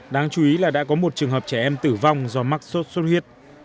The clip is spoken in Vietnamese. đáng chú ý là đã có một trường hợp trẻ em tử vong do mắc suốt suốt huyết